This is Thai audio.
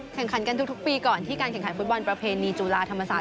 แข่งขันกันทุกปีก่อนที่การแข่งขันฟุตบอลประเพณีจุฬาธรรมศาส